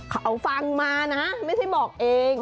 เขาฟังมานะไม่ใช่บอกเอง